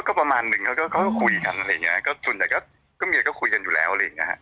ก็ประมาณนึงเค้าคุยกันอะไรอย่างนี้นะส่วนใหญ่ก็คุยกันอยู่แล้วอะไรอย่างนี้ฮะ